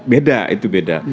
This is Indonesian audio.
beda itu beda